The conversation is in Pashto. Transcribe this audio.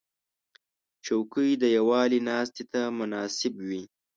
چوکۍ د یووالي ناستې ته مناسب وي.